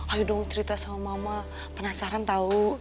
ayo dong cerita sama mama penasaran tahu